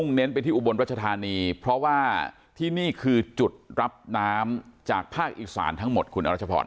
เน้นไปที่อุบลรัชธานีเพราะว่าที่นี่คือจุดรับน้ำจากภาคอีสานทั้งหมดคุณอรัชพร